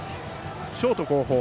ショート後方。